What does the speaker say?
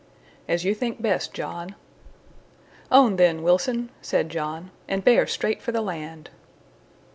"As you think best, John." "On then, Wilson," said John, "and bear straight for the land."